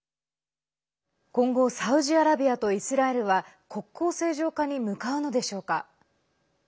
今後サウジアラビアとイスラエルは国交正常化に向かうのでしょうか。